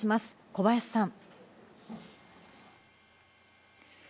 小林さん。